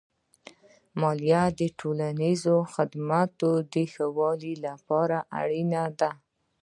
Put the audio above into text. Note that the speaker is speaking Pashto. مالیه د ټولنیزو خدماتو د ښه والي لپاره اړینه ده.